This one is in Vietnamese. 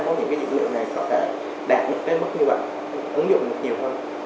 có thể đạt đến mức như vậy ứng dụng nhiều hơn